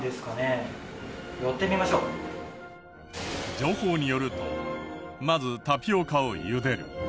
情報によるとまずタピオカをゆでる。